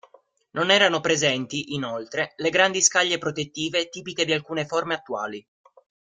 Non erano presenti, inoltre, le grandi scaglie protettive tipiche di alcune forme attuali.